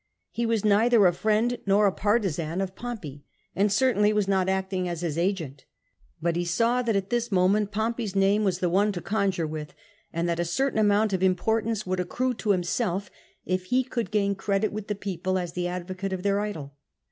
He was neither a friend nor a partisan of Pompey, and certainly was not acting as his agent. But he saw that at this moment Pompey 's name was the one to conjure with, and that a certaixi amount of importance would accrue to himself if he could gain credit with the people as the advocate of their idol.